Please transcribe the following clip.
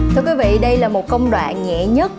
thưa quý vị đây là một công đoạn nhẹ nhất